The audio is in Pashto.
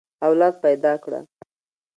اولاد پيدا کړه.